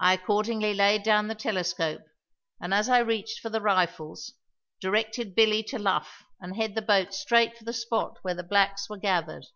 I accordingly laid down the telescope and, as I reached for the rifles, directed Billy to luff and head the boat straight for the spot where the blacks were gathered.